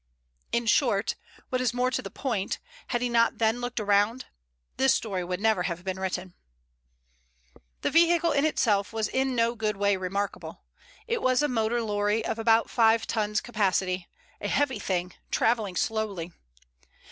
in short, what is more to the point, had he not then looked round, this story would never have been written. The vehicle in itself was in no way remarkable. It was a motor lorry of about five tons capacity, a heavy thing, travelling slowly.